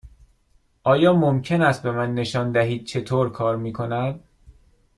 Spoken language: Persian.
آیا ممکن است به من نشان دهید چطور کار می کند؟